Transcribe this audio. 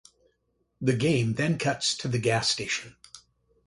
The game then cuts to the gas station.